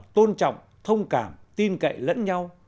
tôn trọng thông cảm tin cậy lẫn nhau